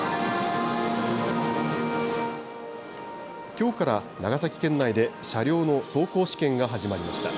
きょうから長崎県内で車両の走行試験が始まりました。